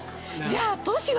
じゃあ」。